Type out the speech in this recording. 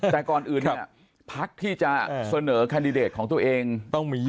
แต่ก่อนอื่นนี่พลักษณ์ที่จะเสนอคันดิเดรตของตัวเชิญ